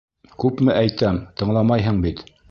Күпме әйтәм, тыңламайһың бит.